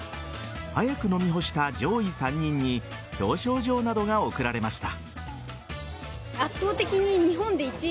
早く飲み干した上位３人に表彰状などが贈られました。